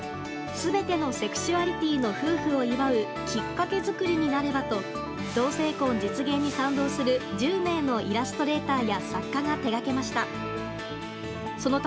全てのセクシュアリティーのふうふを祝うきっかけ作りになればと同性婚実現に賛同する１０名のイラストレーターや作家が手がけました。